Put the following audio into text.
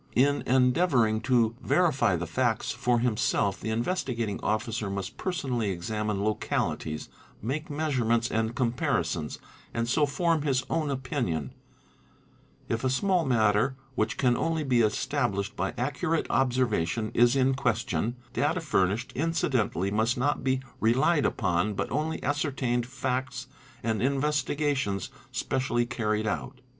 In endeavouring to ESSENTIAL QUALITIES 23 verify the facts for himself the Investigating Officer must personally examine localities, make measurements and comparisons, and so form his — own opinion, If a small matter which can only be established by accu Yate observation is in question, data furnished incidentally must not be relied upon but only ascertained facts and investigations specially carried out.